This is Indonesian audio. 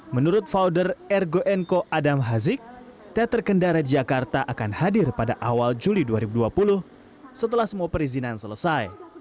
menurut founder ergonco adam hazik teater kendara di jakarta akan hadir pada awal juli dua ribu dua puluh setelah semua perizinan selesai